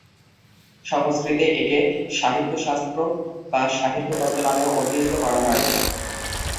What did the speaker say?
সংস্কৃতে একে সাহিত্যশাস্ত্র বা সাহিত্যতত্ত্ব নামেও অভিহিত করা হয়।